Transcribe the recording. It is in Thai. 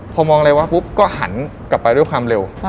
พอมองอะไรวะปุ๊บก็หันกลับไปด้วยความเร็ว